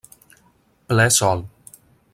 Ple Sol.